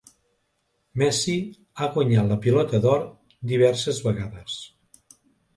Messi ha guanyat la pilota d'or diverses vegades.